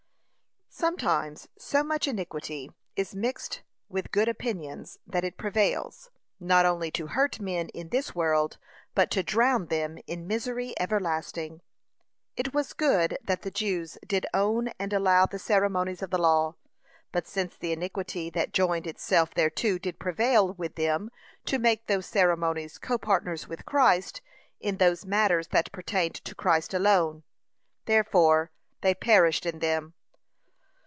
Sometimes so much iniquity is mixed with good opinions, that it prevails, not only to hurt men in this world, but to drown them in misery everlasting. It was good that the Jews did own and allow the ceremonies of the law, but since the iniquity that joined itself thereto did prevail with them to make those ceremonies copartners with Christ in those matters that pertained to Christ alone, therefore they perished in them.